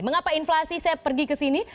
mengapa inflasi saya pergi ke sini